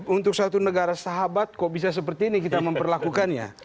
untuk satu negara sahabat kok bisa seperti ini kita memperlakukannya